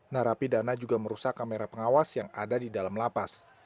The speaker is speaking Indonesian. narapidana juga merusak kamera pengawas yang ada di dalam lapas